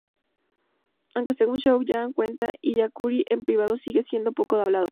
Aunque según Show-yan cuenta, Hikaru en privado sigue siendo "poco hablador".